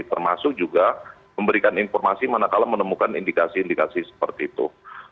termasuk juga memberikan informasi manakala menemukan indikasi indikasi seperti itu